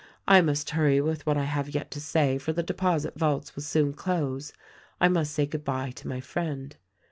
I must hurry with what I have yet to say for the deposit vaults will soon close. I must say good bye to my friend.